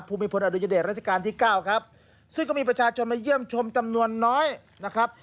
ภูมิพลอดุญเดชราชการที่เก้าครับซึ่งก็มีประชาชนมาเยี่ยมชมจำนวนน้อยนะครับ